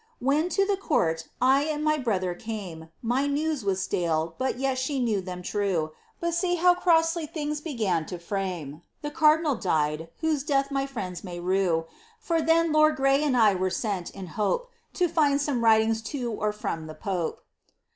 •••••••When to the court I and my brother oame, My news was stale, but yet she knew them true, But see how crossly things began to frame, The cardinal died, whose death my friends may rue, For then lord Gray and I were sent, in hope To find some writings to or from the pope."